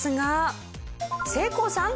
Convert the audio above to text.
せいこうさん